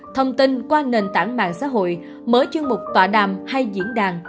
thông tin qua nền tảng mạng xã hội mở chương mục tọa đàm hay diễn đàn